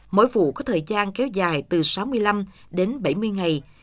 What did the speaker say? mỗi vụ có thời gian kéo dài từ sáu mươi năm đến bảy mươi ngày